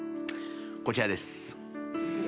こちらです。